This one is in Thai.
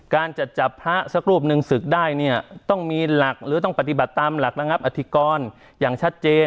การจะจับพระสักรูปหนึ่งศึกได้เนี่ยต้องมีหลักหรือต้องปฏิบัติตามหลักระงับอธิกรอย่างชัดเจน